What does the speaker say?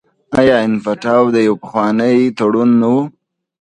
آیا نفټا یو پخوانی تړون نه و؟